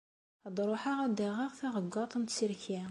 Ad ruḥeɣ ad d-aɣeɣ taɣeggaṭ n tserki.